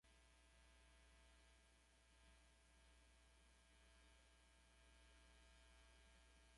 Requiere de poco o ningún proceso de imágenes adicionales.